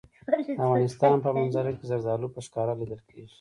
د افغانستان په منظره کې زردالو په ښکاره لیدل کېږي.